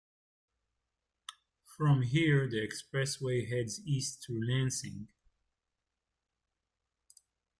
From here, the expressway heads east through Lansing.